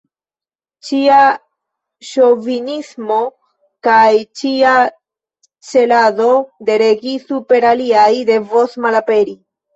Ĉia ŝovinismo kaj ĉia celado de regi super aliaj, devos malaperi.